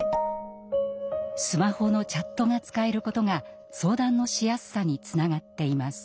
スマホのチャットが使えることが相談のしやすさにつながっています。